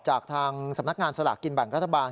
จากทางสำนักงานสลากกินแบ่งรัฐบาล